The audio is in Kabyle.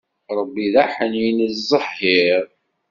Ṛebbi d aḥnin iẓẓehhiṛ.